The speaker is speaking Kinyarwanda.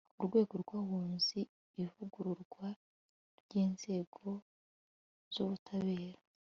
urwego rw'abunzi, ivugururwa ry'inzego z'ubutabera